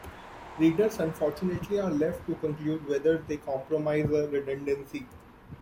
Readers unfortunately are left to conclude whether they comprise a redundancy.